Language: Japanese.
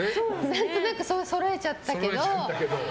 何となく揃えちゃったけど。